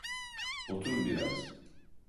Otur biraz.